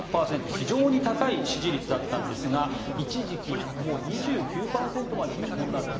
非常に高い支持率だったんですが一時期、もう２９％まで落ち込んだんです。